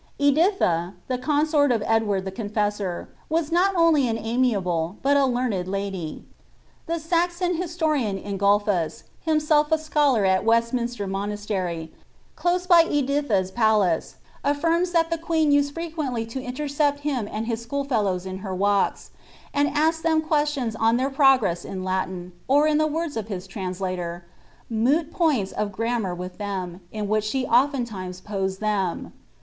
Eiiilha, the consort of Edward the Confessor, was not only an JUninble, but a learned lady. Tlie Saxon historian, Ingulphus, him Vrfelf a scholar at Westminster Monastery, close by Editha's palace, iffinns that the queen used frequently to intercept him and his school Ulows in her walks, and asli (hem questions on (heir progress in rLntin. or, in (he words of his translator, " moot points of grammar ' with Iliem, in which she oftentimes posed them."